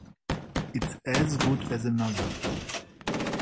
It's as good as another.